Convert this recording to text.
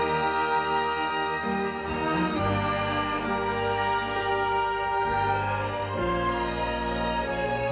ทุกสุดที่ชรพาด